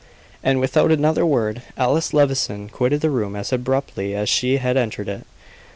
And, without another word, Alice Levison quitted the room as abruptly as she had entered it.